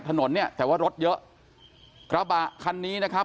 ถนนเนี่ยแต่ว่ารถเยอะกระบะคันนี้นะครับ